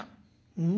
「うん？